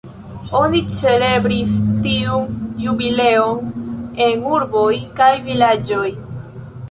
Oni celebris tiun jubileon en urboj kaj vilaĝoj.